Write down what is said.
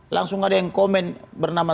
langsung ada yang komen bernama